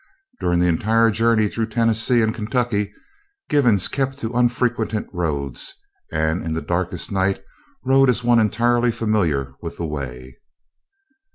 During the entire journey through Tennessee and Kentucky, Givens kept to unfrequented roads, and in the darkest night rode as one entirely familiar with the way.